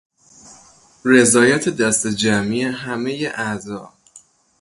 رضایت دسته جمعی همهی اعضا